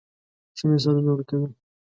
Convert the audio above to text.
ښه مثالونه ورکوي.